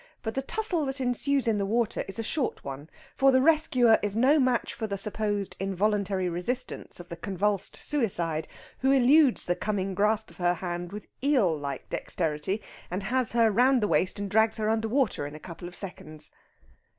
But the tussle that ensues in the water is a short one, for the rescuer is no match for the supposed involuntary resistance of the convulsed suicide, who eludes the coming grasp of her hand with eel like dexterity, and has her round the waist and drags her under water in a couple of seconds.